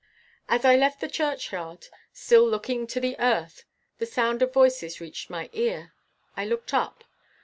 As I left the churchyard, still looking to the earth, the sound of voices reached my ear. I looked up.